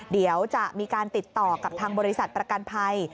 เดี๋ยวจะมีการติดต่อกับทางบริษัทประกันภัย